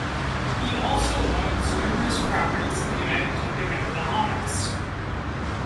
He also owns numerous properties in the United Kingdom and the Bahamas.